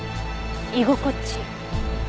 居心地。